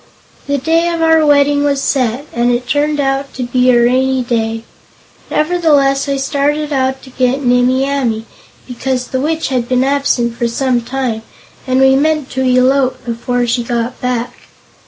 "The day of our wedding was set, and it turned out to be a rainy day. Nevertheless I started out to get Nimmie Amee, because the Witch had been absent for some time, and we meant to elope before she got back.